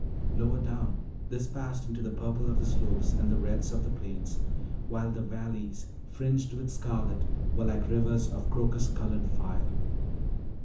Lower down this passed into the purples of the slopes and the reds of the plains, while the valleys, fringed with scarlet, were like rivers of crocus colored fire.